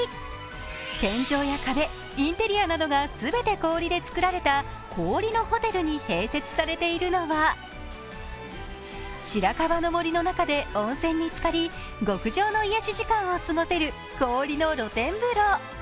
天井や壁、インテリアなどが全て氷で造られた氷のホテルに併設されているのは、白樺の森の中で温泉につかり極上の癒やし時間を過ごせる氷の露天風呂。